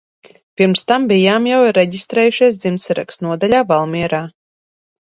Pirms tam bijām jau reģistrējušies dzimtsarakstu nodaļā Valmierā.